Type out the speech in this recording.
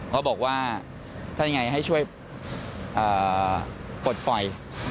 เขาบอกว่าถ้ายังไงให้ช่วยปลดปล่อย